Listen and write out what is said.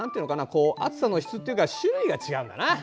こう暑さの質っていうか種類が違うんだなあ。